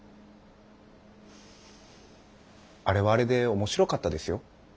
あれはあれで面白かったですよ。